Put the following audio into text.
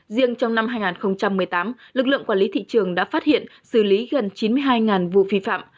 riêng trong năm hai nghìn một mươi tám lực lượng quản lý thị trường đã phát hiện xử lý gần chín mươi hai vụ vi phạm